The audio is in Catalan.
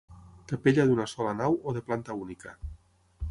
Capella d'una sola nau o de planta única.